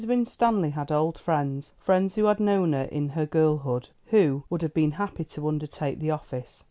Winstanley had old friends, friends who had known her in her girlhood, who would have been happy to undertake the office.